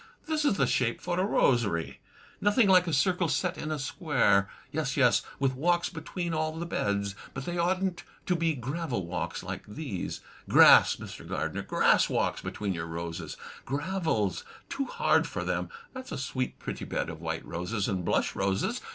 "This is the shape for a rosery — nothing like a circle set in a square. Yes, yes; with walks between all the beds. But they oughtn't to be gravel walks like these. Grass, Mr. Gardener — grass walks between your roses; gravel's too hard for them. That's a sweet pretty bed of white roses and blush roses.